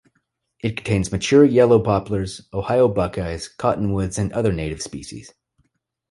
It contains mature yellow poplars, Ohio buckeyes, cottonwoods, and other native species.